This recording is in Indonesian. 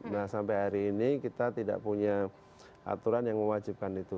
nah sampai hari ini kita tidak punya aturan yang mewajibkan itu